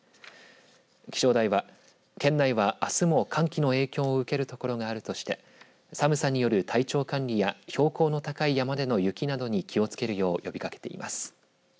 気象台は県内は、あすも寒気の影響を受けるところがあるとして寒さによる体調管理や標高の高い山での雪などに気をつけるよう呼びかけています。